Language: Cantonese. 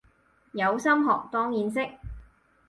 有心學當然識